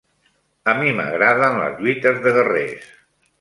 A mi m'agraden les lluites de guerrers.